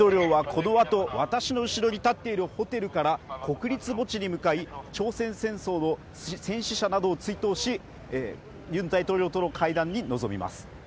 このあと私の後ろに立っているホテルから国立墓地に向かい朝鮮戦争の戦死者などを追悼しユン大統領との会談に臨みます